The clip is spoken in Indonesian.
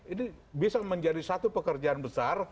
ini bisa menjadi satu pekerjaan besar